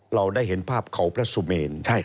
เราได้เห็นภาพเขาพระสุเมน